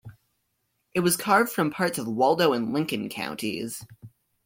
It was carved from parts of Waldo and Lincoln counties.